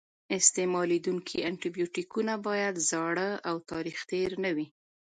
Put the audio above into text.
استعمالیدونکي انټي بیوټیکونه باید زاړه او تاریخ تېر نه وي.